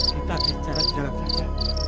kita dijarak jarak saja